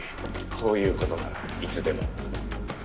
こういうことならいつでも。